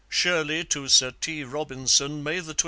Shirley to Sir T. Robinson, May 23, 1754.